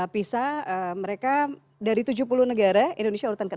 pisa mereka dari tujuh puluh negara indonesia urutan ke enam puluh dua